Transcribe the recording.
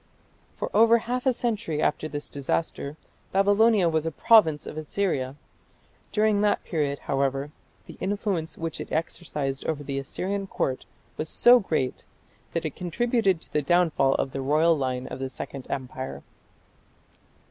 For over half a century after this disaster Babylonia was a province of Assyria. During that period, however, the influence which it exercised over the Assyrian Court was so great that it contributed to the downfall of the royal line of the Second Empire.